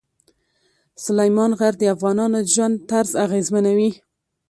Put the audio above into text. سلیمان غر د افغانانو د ژوند طرز اغېزمنوي.